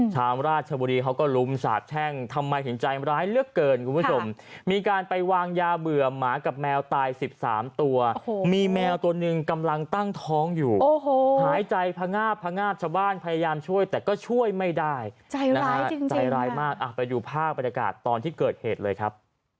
ชาวราชบุรีเขาก็ลุมสาบแช่งทำไมเห็นใจร้ายเหลือเกินคุณผู้ชมมีการไปวางยาเบื่อหมากับแมวตาย๑๓ตัวมีแมวตัวหนึ่งกำลังตั้งท้องอยู่โอ้โหหายใจพงาบพงาบชาวบ้านพยายามช่วยแต่ก็ช่วยไม่ได้นะฮะใจร้ายมากไปดูภาพบรรยากาศตอนที่เกิดเหตุเลยครับ